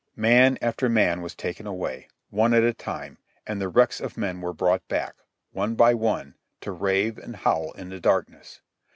Man after man was taken away, one at a time, and the wrecks of men were brought back, one by one, to rave and howl in the darkness.